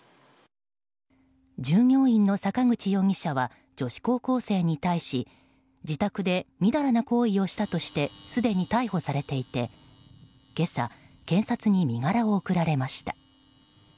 従業員の坂口容疑者は女子高校生に対し自宅でみだらな行為をしたとしてすでに逮捕されていて今朝、検察に身柄を送られました。